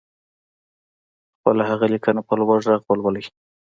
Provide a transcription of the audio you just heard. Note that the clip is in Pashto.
خپله هغه ليکنه په لوړ غږ ولولئ.